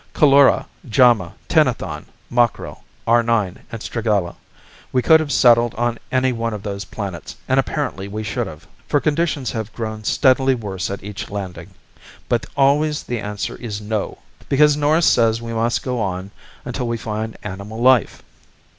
"Coulora, Jama, Tenethon, Mokrell, R 9, and Stragella. We could have settled on any one of those planets, and apparently we should have, for conditions have grown steadily worse at each landing. But always the answer is no. Why? Because Norris says we must go on until we find animal life."